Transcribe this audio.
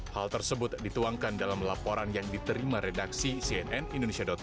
hal tersebut dituangkan dalam laporan yang diterima redaksi cnn indonesia com